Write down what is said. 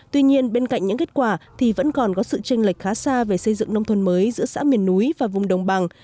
tuy nhiên bên cạnh những kết quả thì vẫn còn có sự tranh lệch khá xa về xây dựng nông thôn mới giữa xã miền núi và vùng đồng bằng